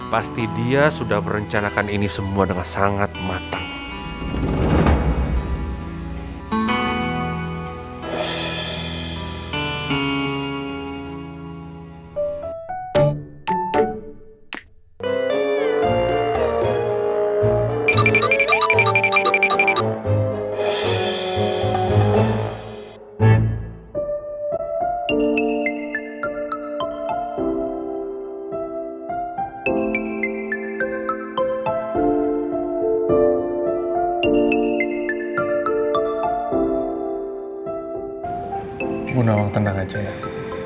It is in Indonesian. pasti dia seorang yang bisa mencari kemampuan untuk mencari kemampuan untuk mencari kemampuan